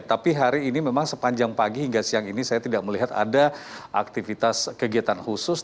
tapi hari ini memang sepanjang pagi hingga siang ini saya tidak melihat ada aktivitas kegiatan khusus